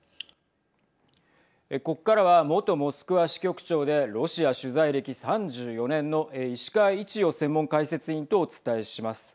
ここからは元モスクワ支局長でロシア取材歴３４年の石川一洋専門解説委員とお伝えします。